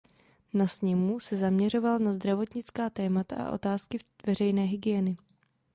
Na sněmu se zaměřoval na zdravotnická témata a otázky veřejné hygieny.